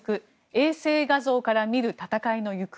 衛星画像から見る戦いの行方。